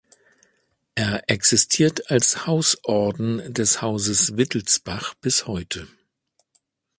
Er existiert als Hausorden des Hauses Wittelsbach bis heute.